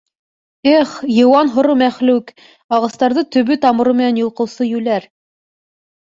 Эх, йыуан һоро мәхлүк, ағастарҙы төбө-тамыры менән йолҡоусы йүләр!